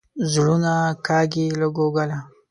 زړونه کاږي له کوګله.